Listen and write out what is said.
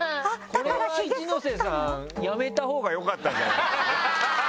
これは一ノ瀬さんやめたほうがよかったんじゃない？